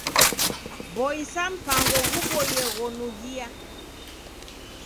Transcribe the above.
Boisa mpango ghuboie ghonughia.